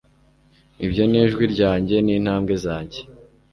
Ibyo nijwi ryanjye nintambwe zanjye